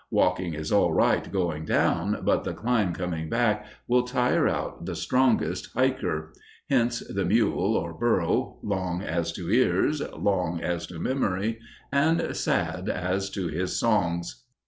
Walking is all right going down, but the climb coming back will tire out the strongest hiker: hence the mule, or burro, long as to ears, long as to memory, and "sad as to his songs."